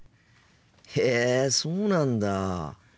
へえそうなんだ。